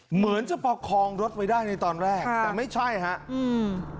เหมือนจะประคองรถไว้ได้ในตอนแรกแต่ไม่ใช่ฮะอืม